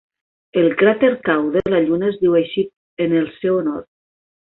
El cràter Kao de la Lluna es diu així en el seu honor.